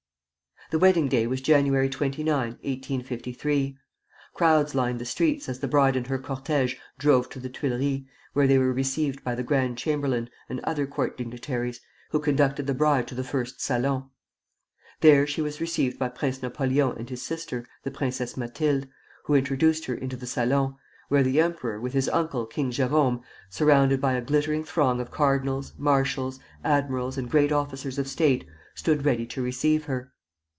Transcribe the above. The wedding day was Jan. 29, 1853. Crowds lined the streets as the bride and her cortège drove to the Tuileries, where they were received by the Grand Chamberlain and other court dignitaries, who conducted the bride to the first salon. There she was received by Prince Napoleon and his sister, the Princess Mathilde, who introduced her into the salon, where the emperor, with his uncle, King Jérôme, surrounded by a glittering throng of cardinals, marshals, admirals, and great officers of State, stood ready to receive her.